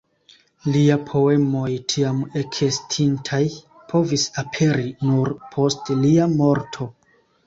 Lia poemoj tiam ekestintaj povis aperi nur post lia morto.